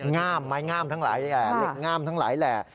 ง่ามไม้งามทั้งหลายแหล่เหล็กง่ามทั้งหลายแหล่